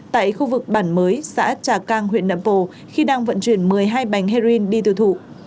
tại khu vực bản mới xã trà cang huyện nậm pồ khi đang vận chuyển một mươi hai bánh heroin đi tiêu thụ